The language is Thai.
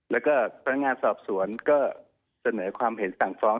แล้วก็พนักงานสอบสวนก็เสนอความเห็นสั่งฟ้อง